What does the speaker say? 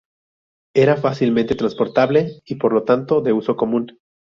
Era fácilmente transportable y por lo tanto de uso común.